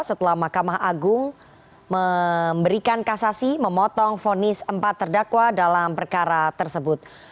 setelah mahkamah agung memberikan kasasi memotong vonis empat terdakwa dalam perkara tersebut